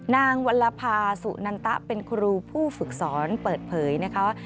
วัลภาสุนันตะเป็นครูผู้ฝึกสอนเปิดเผยนะคะ